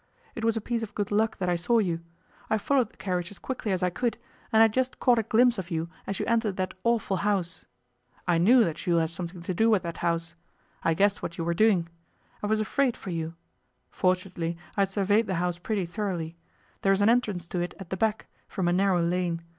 It was a piece of good luck that I saw you. I followed the carriage as quickly as I could, and I just caught a glimpse of you as you entered that awful house. I knew that Jules had something to do with that house. I guessed what you were doing. I was afraid for you. Fortunately I had surveyed the house pretty thoroughly. There is an entrance to it at the back, from a narrow lane.